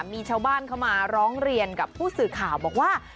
มีชาวบ้านเขามาร้องเรียนกับผู้สื่อข่าวบอกว่า